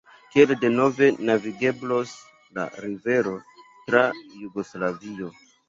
Tiel denove navigeblos la rivero tra Jugoslavio.